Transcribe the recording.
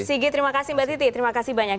sigi terima kasih mbak titi terima kasih banyak